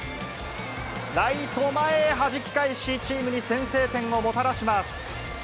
ライト前へはじき返し、チームに先制点をもたらします。